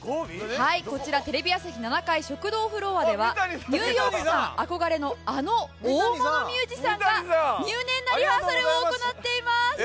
こちらテレビ朝日７階食堂フロアではニューヨークさん憧れのあの大物ミュージシャンが入念なリハーサルを行っています。